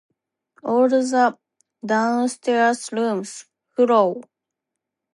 All the downstairs rooms — Hullo!